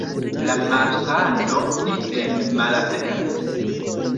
La malsano ien malaperis.